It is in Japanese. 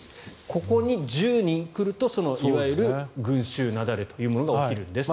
ここに１０人来るといわゆる群衆雪崩というものが起きるんですと。